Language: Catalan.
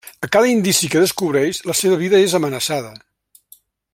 A cada indici que descobreix, la seva vida és amenaçada.